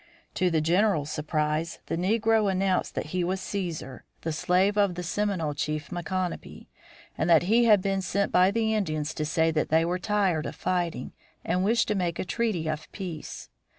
To the general's surprise the negro announced that he was Cæsar, the slave of the Seminole chief Micanopy, and that he had been sent by the Indians to say that they were tired of fighting and wished to make a treaty of peace.